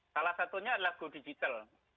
salah satunya adalah go digital